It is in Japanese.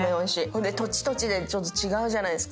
ほんで土地土地で違うじゃないですか。